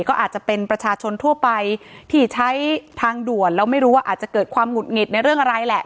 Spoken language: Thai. ก็อาจจะเป็นประชาชนทั่วไปที่ใช้ทางด่วนแล้วไม่รู้ว่าอาจจะเกิดความหุดหงิดในเรื่องอะไรแหละ